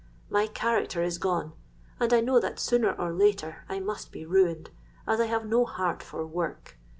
My character is gone; and I know that sooner or later, I must be ruined, as I have no heart for work.